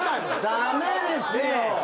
ダメですよ！